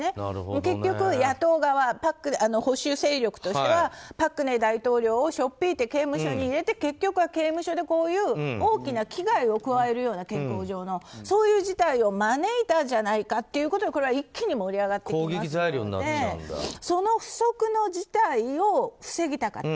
結局、野党側保守勢力としては朴槿惠前大統領をしょっ引いて刑務所に入れて結局は刑務所で、健康上の大きな危害を加えるようなそういう事態を招いたんじゃないかってことで一気に盛り上がってきますのでその不測の事態を防ぎたかった。